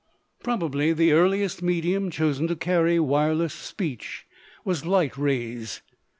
Probably the earliest medium chosen to carry wireless speech was light rays.